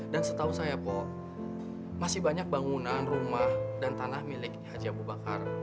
dan setahu saya pak masih banyak bangunan rumah dan tanah milik haji abu bakar